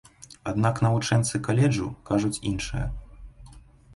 Аднак навучэнцы каледжу кажуць іншае.